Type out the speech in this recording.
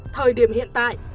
thời điểm hiện tại